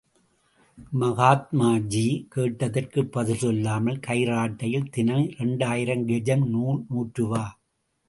மகாத்மாஜி, கேட்டதற்குப் பதில் சொல்லாமல், கைராட்டையில் தினம் இரண்டாயிரம் கெஜம் நூல் நூற்றுவா!